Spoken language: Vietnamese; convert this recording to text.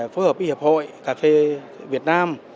phối hợp với hiệp hội cà phê việt nam